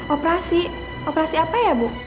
operasi operasi apa ya bu